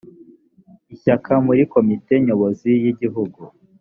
ishyaka muri komite nyobozi y igihugu